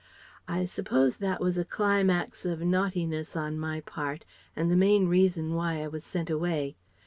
I suppose that was a climax of naughtiness on my part and the main reason why I was sent away.